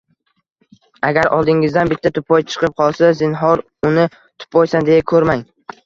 Agar oldingizdan bitta tupoy chiqib qolsa, zinhor uni tupoysan deya ko‘rmang.